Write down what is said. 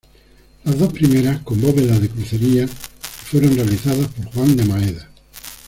Las dos primeras, con bóvedas de crucería y fueron realizadas por Juan de Maeda.